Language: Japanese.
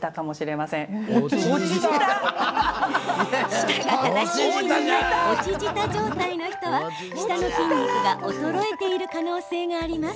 舌が正しい位置にない落ち舌状態の人は、舌の筋肉が衰えている可能性があります。